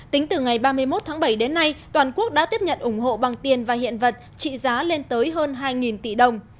tính từ ngày ba mươi một tháng bảy đến nay toàn quốc đã tiếp nhận ủng hộ bằng tiền và hiện vật trị giá lên tới hơn hai tỷ đồng